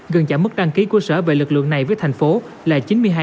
gần giảm mức đăng ký của sở về lực lượng này với thành phố là chín mươi hai